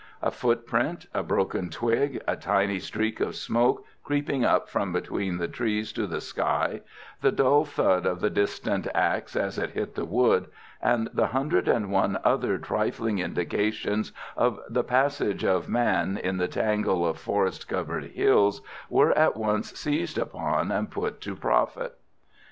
A footprint, a broken twig, a tiny streak of smoke creeping up from between the trees to the sky, the dull thud of the distant axe as it hit the wood, and the hundred and one other trifling indications of the passage of man in the tangle of forest covered hills were at once seized upon and put to profit.